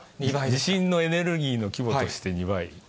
地震のエネルギーの規模として２倍。